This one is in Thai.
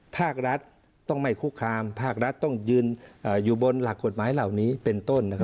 ภาครัฐต้องไม่คุกคามภาครัฐต้องยืนอยู่บนหลักกฎหมายเหล่านี้เป็นต้น